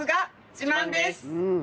自慢です！